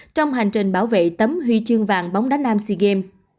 trong hành trình bảo vệ tấm huy chương vàng bóng đá nam sea games